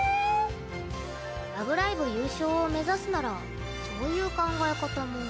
「ラブライブ！」優勝を目指すならそういう考え方も。